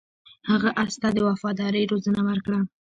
هغه اس ته د وفادارۍ روزنه ورکړه.